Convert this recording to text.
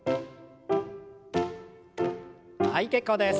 はい結構です。